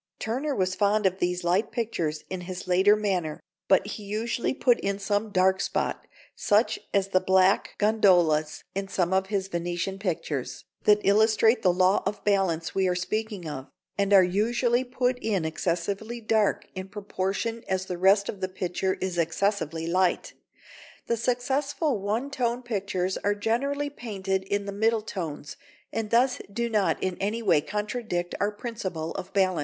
Turner was fond of these light pictures in his later manner, but he usually put in some dark spot, such as the black gondolas in some of his Venetian pictures, that illustrate the law of balance we are speaking of, and are usually put in excessively dark in proportion as the rest of the picture is excessively light. The successful one tone pictures are generally painted in the middle tones, and thus do not in any way contradict our principle of balance.